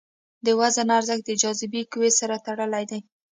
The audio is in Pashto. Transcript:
د وزن ارزښت د جاذبې قوې سره تړلی دی.